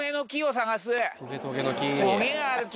トゲがある木！